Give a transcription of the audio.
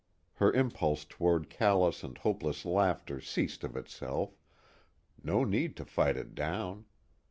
Her impulse toward callous and hopeless laughter ceased of itself, no need to fight it down.